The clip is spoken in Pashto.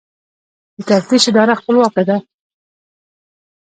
د تفتیش اداره خپلواکه ده؟